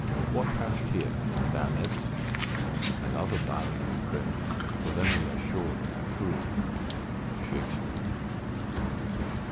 "What hast here, ballads? I love a ballad in print; for then we are sure they are true." _Shakspeare.